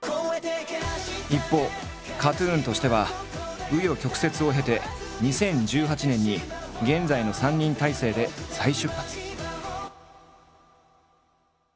一方ＫＡＴ−ＴＵＮとしては紆余曲折を経て２０１８年に現在の３人体制で再出発。